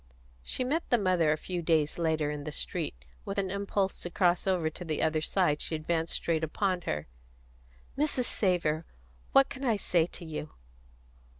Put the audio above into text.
She met the mother, a few days after, in the street; with an impulse to cross over to the other side she advanced straight upon her. "Mrs. Savor! What can I say to you?"